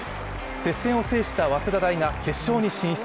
接戦を制した早稲田大が決勝に進出。